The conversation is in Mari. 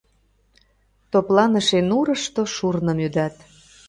Топланыше нурышто шурным ӱдат.